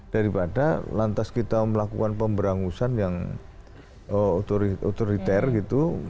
daripada lantas kita melakukan pemberangusan yang otoriter gitu